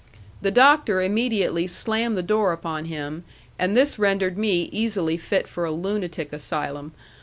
The Doctor immediately slammed the door upon him, and this rendered me easily fit for a lunatic asylum.